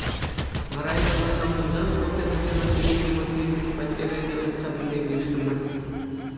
Вара яла таврӑнсан пурте пӗрле Василий Тимофеевич патне кайса ыйтса пӗлме килӗшрӗмӗр.